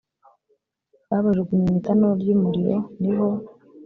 babajugunye mu itanura ry umuriro ni ho